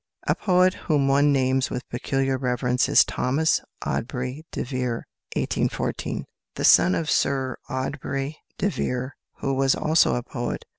A poet whom one names with peculiar reverence is =Thomas Aubrey de Vere (1814 )=, the son of Sir Aubrey de Vere, who was also a poet.